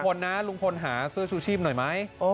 แล้วลุงพลเนี่ยลุงพลเนี่ยหาเสื้อชูชิบหน่อยมั้ย